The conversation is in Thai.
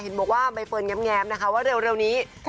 เห็นบอกว่าใบเฟิร์นแง้มนะคะว่าเร็วนี้